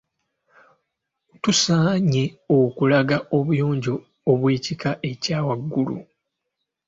Tusaanye okulaga obuyonjo obw'ekika ekya waggulu.